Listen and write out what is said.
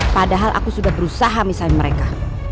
padahal aku sudah berusaha misalnya mereka